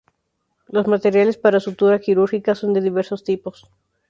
Los materiales para sutura quirúrgica son de diversos tipos.